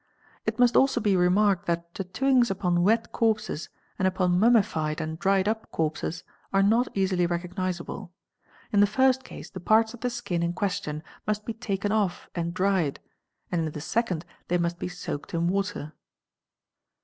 It must also be remarked that tattooings upon wet corpses and upon mummified and dried up corpses are not easily recognisable; in the first case the parts of the skin in question must be taken off and dried and in the second they must be soaked in water.